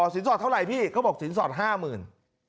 สินสอดเท่าไหร่พี่เขาบอกสินสอด๕๐๐๐บาท